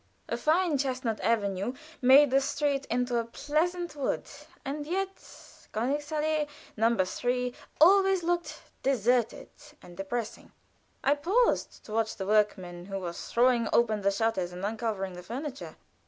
A fine chestnut avenue made the street into a pleasant wood, and yet Königsallée No. 3 always looked deserted and depressing. I paused to watch the workmen who were throwing open the shutters and uncovering the furniture.